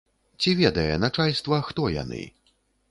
Ці ведае начальства, хто яны?